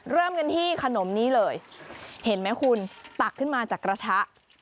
เริ่มกันที่ขนมนี้เลยเห็นไหมคุณตักขึ้นมาจากกระทะ